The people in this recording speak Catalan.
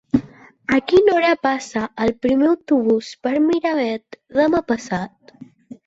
A quina hora passa el primer autobús per Miravet demà passat?